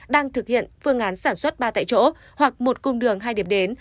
đang thực hiện phương án sản xuất ba tại chỗ hoặc một cung đường hai điểm đến